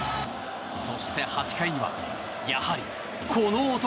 そして８回にはやはり、この男。